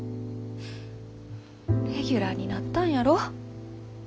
レギュラーになったんやろ？